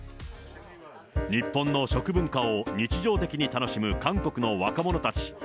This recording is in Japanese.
日本の食文化を日常的に楽しむ韓国の若者たち。